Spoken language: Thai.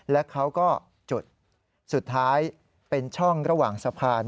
และเขาก็จุดสุดท้ายเป็นช่องระหว่างสะพาน